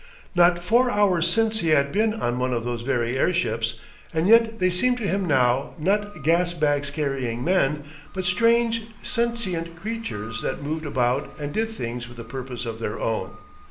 Not four hours since he had been on one of those very airships, and yet they seemed to him now not gas bags carrying men, but strange sentient creatures that moved about and did things with a purpose of their own.